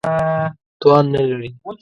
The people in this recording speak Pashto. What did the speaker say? توان نه لري.